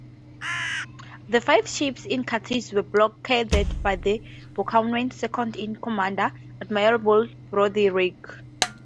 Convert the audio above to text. The five ships in Cadiz were blockaded by Boscawen's second-in-command, Admiral Broderick.